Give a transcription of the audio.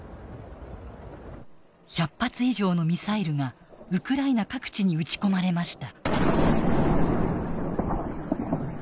１００発以上のミサイルがウクライナ各地に撃ち込まれました。